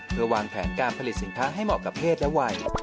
เพื่อวางแผนการผลิตสินค้าให้เหมาะกับเพศและวัย